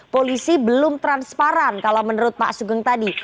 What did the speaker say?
polisi belum transparan kalau menurut pak sugeng tadi